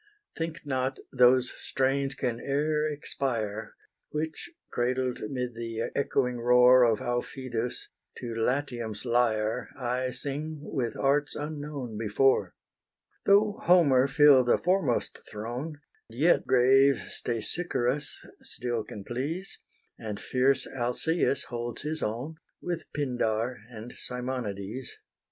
Think not those strains can e'er expire, Which, cradled 'mid the echoing roar Of Aufidus, to Latium's lyre I sing with arts unknown before. Though Homer fill the foremost throne, Yet grave Stesichorus still can please, And fierce Alcaeus holds his own, With Pindar and Simonides.